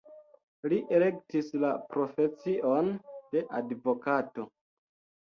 Li elektis la profesion de advokato.